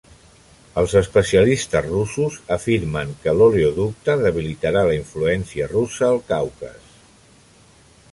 Els especialistes russos afirmen que l'oleoducte debilitarà la influència russa al Caucas.